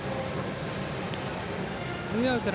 ツーアウト。